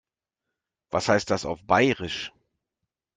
Was heißt das auf Bairisch?